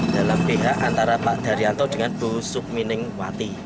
dalam pihak antara pak daryanto dengan bu sukmining wati